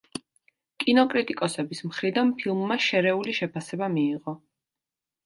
კინოკრიტიკოსების მხრიდან ფილმმა შერეული შეფასება მიიღო.